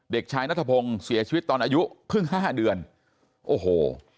เด็กชายนัทพงศ์เสียชีวิตตอนอายุเพิ่งห้าเดือนโอ้โห